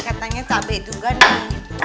katanya cabai juga nih